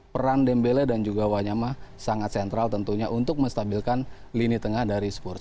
peran dembele dan juga wanyama sangat sentral tentunya untuk menstabilkan lini tengah dari spurs